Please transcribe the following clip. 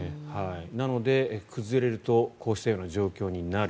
なので、崩れるとこうしたような状況になる。